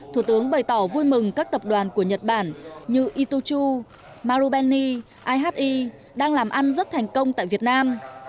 thủ tướng bày tỏ vui mừng các tập đoàn của nhật bản như ituchu marubeni ahi đang làm ăn rất thành công tại việt nam